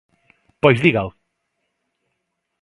¡Pois dígao!